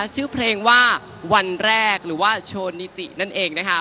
ชื่อเพลงว่าวันแรกหรือว่าโชนิจินั่นเองนะคะ